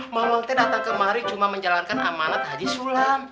mamang teh datang kemari cuma menjalankan amanat haji sulam